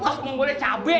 kutuk menggunanya cabai